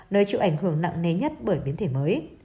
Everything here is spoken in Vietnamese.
nơi chịu ảnh hưởng nặng nề nhất bởi biến thể mới